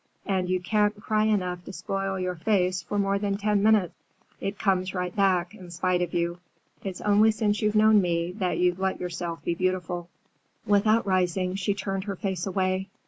And you can't cry enough to spoil your face for more than ten minutes. It comes right back, in spite of you. It's only since you've known me that you've let yourself be beautiful." Without rising she turned her face away.